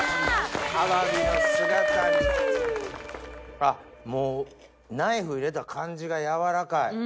あっもうナイフ入れた感じが柔らかい。